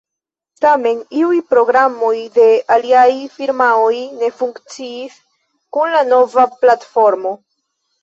Tamen, iuj programoj el aliaj firmaoj ne funkciis kun la nova platformo.